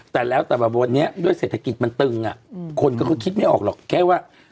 แต่แล้วแต่ว่าวันนี้ด้วยเศรษฐกิจมันตึงคนก็คิดไม่ออกหรอกแค่ว่า